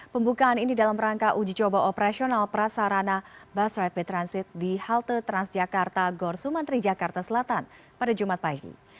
pembukaan ini dalam rangka uji coba operasional prasarana bus rapid transit di halte transjakarta gorsumantri jakarta selatan pada jumat pagi